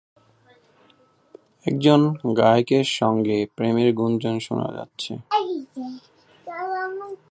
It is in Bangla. একজন গায়কের সঙ্গে প্রেমের গুঞ্জন শোনা যাচ্ছে।